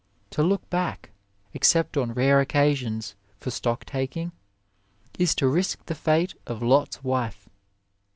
To look back, except on rare occasions for stock taking, is to 27 A WAY risk the fate of Lot s wife.